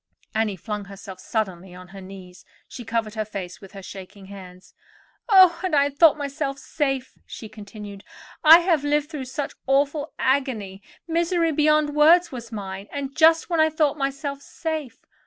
Annie flung herself suddenly on her knees; she covered her face with her shaking hands. "Oh! and I thought myself safe," she continued. "I have lived through such awful agony—misery beyond words was mine; and just when I thought myself safe.